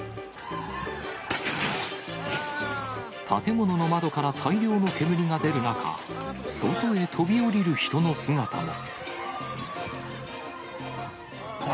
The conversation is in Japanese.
建物の窓から大量の煙が出る中、外へ飛び降りる人の姿も。